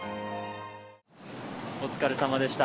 お疲れさまでした。